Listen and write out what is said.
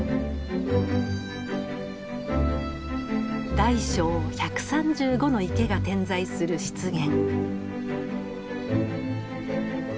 大小１３５の池が点在する湿原。